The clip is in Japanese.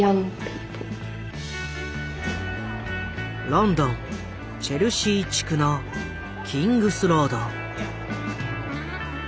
ロンドンチェルシー地区のキングスロード。